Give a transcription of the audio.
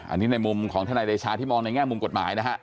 อันนี้ในมุมของทนายเดชาที่มองในแง่มุมกฎหมายนะฮะ